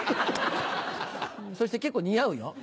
そして結構似合うよ。